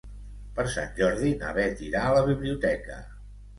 Per Sant Jordi na Bet irà a la biblioteca.